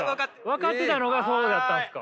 分かってたのがそうやったんですか。